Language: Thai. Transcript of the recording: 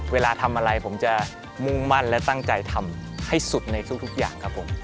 เวลาทำอะไรผมจะมุ่งมั่นและตั้งใจทำให้สุดในทุกอย่างครับผม